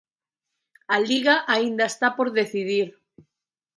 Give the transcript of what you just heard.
A Liga aínda está por decidir.